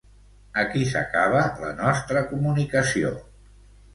Aquí s'acaba la nostra comunicació.